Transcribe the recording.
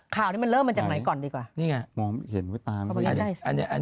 ค่าวที่มันให้เริ่มเหมือนไหน